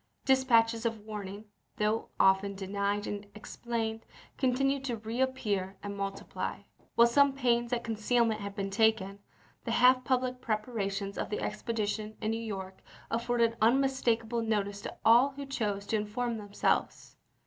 Dis patches of warning, though often denied and explained, continued to reappear and multiply. While some pains at concealment had been taken, the half public preparations of the expedition in New York afforded unmistakable notice to all who chose to inform themselves.